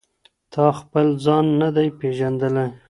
تا خپل ځان نه دی پیژندلی.